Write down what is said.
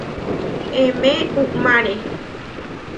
Emé uʼmáre.